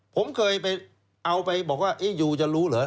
ผมเคยไปเอาไปบอกว่ายูจะรู้เหรอ